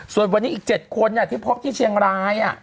ส่วนวันนี้อีก๗คนที่พบที่เชียงราย